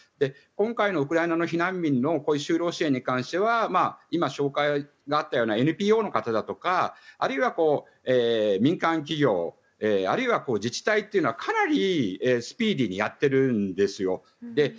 今回のウクライナの避難民の就労支援に関しては今紹介があったようなＮＰＯの方だとかあるいは民間企業あるいは自治体というのはかなりスピーディーにやっているんですよ。